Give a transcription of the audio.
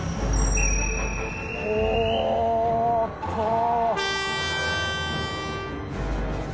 おおっと。